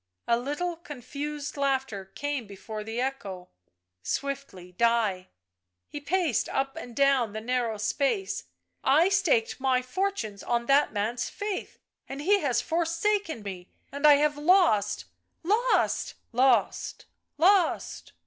A little confused laughter came before the echo <l swiftly die." He paced up and down the narrow space. " I staked my fortunes on that man's faith and he has forsaken me, and I have lost, lost !" u Lost ! lost